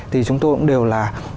thì chúng tôi cũng đều là